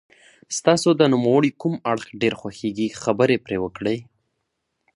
ستاسو د نوموړي کوم اړخ ډېر خوښیږي خبرې پرې وکړئ.